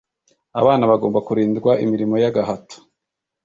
Abana bagomba kurindwa imirimo y’ agahato